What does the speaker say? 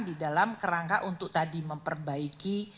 di dalam kerangka untuk tadi memperbaiki